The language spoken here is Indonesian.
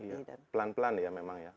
iya pelan pelan ya memang ya